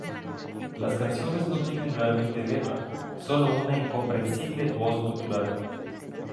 Las canciones no tienen realmente letra, sólo una incomprensible voz gutural.